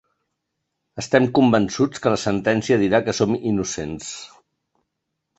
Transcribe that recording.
Estem convençuts que la sentència dirà que som innocents.